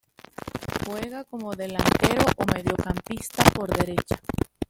Juega como delantero o mediocampista por derecha.